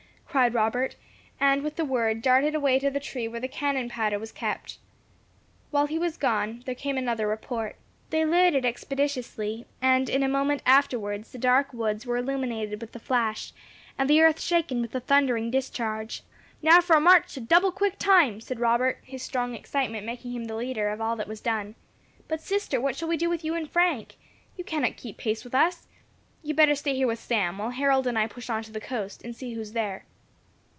cried Robert, and with the word darted away to the tree where the cannon powder was kept. While he was gone there came another report. They loaded expeditiously, and in a moment afterwards the dark woods were illuminated with the flash, and the earth shaken with the thundering discharge. "Now for a march to double quick time!" said Robert, his strong excitement making him the leader of all that was done. "But, sister, what shall we do with you and Frank? You cannot keep pace with us. You had better stay here with Sam, while Harold and I push on to the coast, and see who is there."